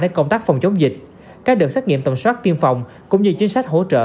để công tác phòng chống dịch các đợt xét nghiệm tầm soát tiêm phòng cũng như chính sách hỗ trợ